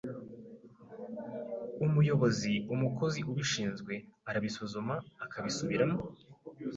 umuyobozi, umukozi ubishinzwe arabisuzuma akabisubiramo